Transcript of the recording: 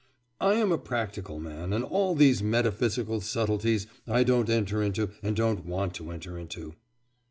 'I am a practical man and all these metaphysical subtleties I don't enter into and don't want to enter into.